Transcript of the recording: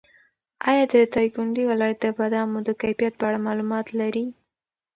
ایا د دایکنډي ولایت د بادامو د کیفیت په اړه معلومات لرې؟